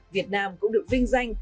việt nam cũng được vinh danh